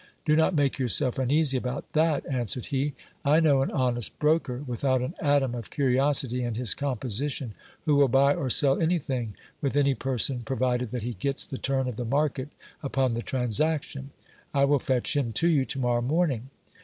Do not make yourself uneasy about that, an s .vered he. I know an honest broker, without an atom of curiosity in his com position, who will buy or sell anything with any person, provided that he gets the turn of the market upon the transaction. I will fetch him to you to morrow morning.